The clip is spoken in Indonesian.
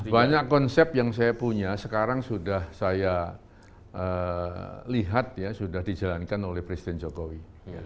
banyak konsep yang saya punya sekarang sudah saya lihat ya sudah dijalankan oleh presiden jokowi